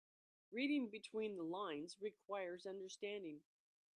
Reading between the lines requires understanding.